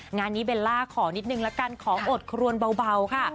งานนี้เบลล่าขอนิดนึงละกันขออดครวนเบาค่ะ